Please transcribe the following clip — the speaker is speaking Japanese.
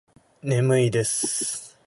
眠いです。